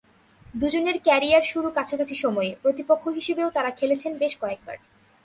দুজনের ক্যারিয়ার শুরু কাছাকাছি সময়ে, প্রতিপক্ষ হিসেবেও তাঁরা খেলেছেন বেশ কয়েকবার।